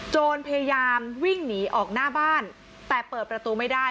โจรพยายามวิ่งหนีออกหน้าบ้านแต่เปิดประตูไม่ได้